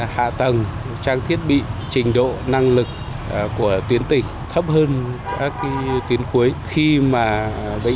hạ tầng trang thiết bị trình độ năng lực của tuyến tỉnh thấp hơn các tuyến cuối khi mà bệnh